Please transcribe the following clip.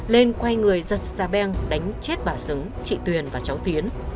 lên quay người giật sa beng đánh chết bà xứng chị tuyền và cháu tuyến